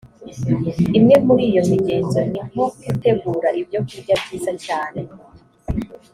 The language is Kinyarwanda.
imwe muri iyo migenzo ni nko gutegura ibyo kurya byiza cyane